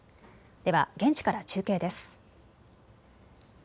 では現地から中継です。